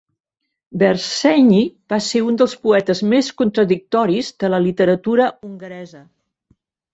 Berzsenyi va ser un dels poetes més contradictoris de la literatura hongaresa.